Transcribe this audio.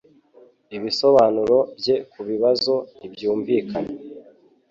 Ibisobanuro bye kubibazo ntibyumvikana.